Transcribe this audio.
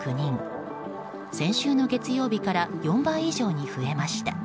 先週の月曜日から４倍以上に増えました。